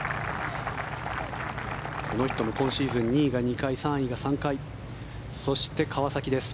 この人も今シーズン２位が２回３位が３回そして、川崎です。